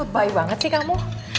bye banget sih kamu